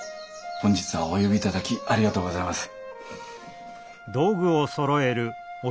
本日はお呼び頂きありがとうございます。